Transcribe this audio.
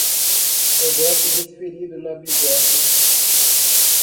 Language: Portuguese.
O golpe desferido na bigorna